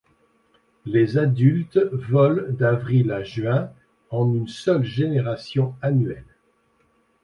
Les adultes volent d'avril à juin, en une seule génération annuelle.